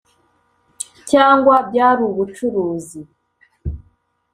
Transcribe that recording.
cyangwa byari ubucuruzi